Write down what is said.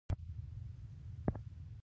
هغه د ښایسته اواز پر مهال د مینې خبرې وکړې.